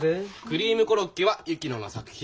クリームコロッケは薫乃の作品。